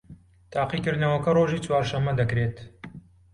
تاقیکردنەوەکە ڕۆژی چوارشەممە دەکرێت